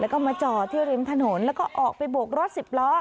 แล้วก็มาจอดที่ริมถนนแล้วก็ออกไปโบกรถสิบล้อ